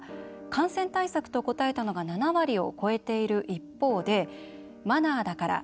感染対策と答えたのが７割を超えている一方でマナーだから。